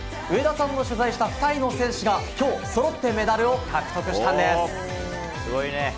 上田さんが取材したタイの選手が今日、そろってメダルを獲得したんです。